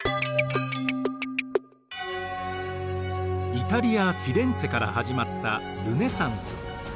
イタリア・フィレンツェから始まったルネサンス。